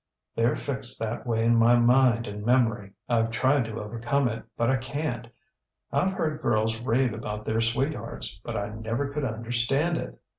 TheyŌĆÖre fixed that way in my mind and memory. IŌĆÖve tried to overcome it, but I canŌĆÖt. IŌĆÖve heard girls rave about their sweethearts, but I never could understand it.